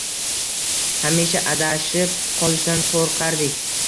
Hamisha adashib qolishdan qo‘rqardik.